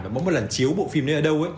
và mỗi lần chiếu bộ phim này ở đâu